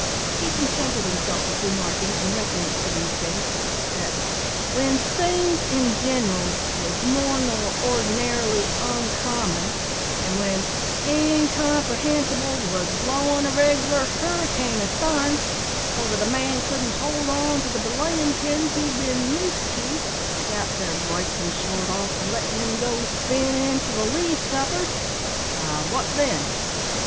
He contented himself with remarking, in reference to these things, that "w'en things in gin'ral wos more nor ord'nar'ly oncommon, an' w'en incomprehensibles was blowin' a reg'lar hurricane astarn, so that a man couldn't hold on to the belayin' pins he'd bin used to, without their breakin' short off an' lettin' him go spin into the lee scuppers, why wot then?